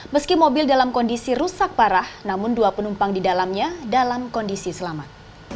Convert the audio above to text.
meski mobil dalam kondisi rusak parah namun dua penumpang di dalamnya dalam kondisi selamat